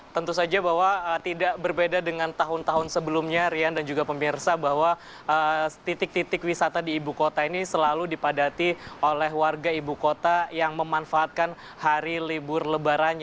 tentu saja bahwa tidak berbeda dengan tahun tahun sebelumnya rian dan juga pemirsa bahwa titik titik wisata di ibu kota ini selalu dipadati oleh warga ibu kota yang memanfaatkan hari libur lebaran